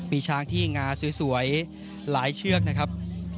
มีช้างที่งาสวยหลายเชือกนะครับ